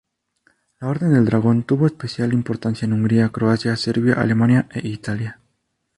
La Orden del Dragón tuvo especial importancia en Hungría, Croacia, Serbia, Alemania e Italia.